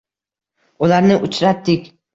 Ularni uchratdik…